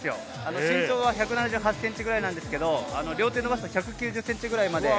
身長が１７８ｃｍくらいなんですけど、両手を伸ばすと１９０ｃｍくらいまで。